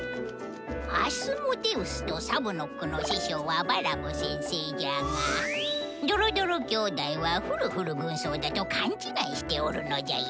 アスモデウスとサブノックの師匠はバラム先生じゃがドロドロ兄弟はフルフル軍曹だと勘違いしておるのじゃよ。